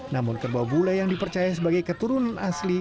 namun kerbau bule yang dipercaya sebagai keturunan asli